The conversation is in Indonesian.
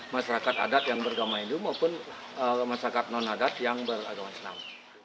masyarakat adat yang beragama hindu maupun masyarakat non adat yang beragama islam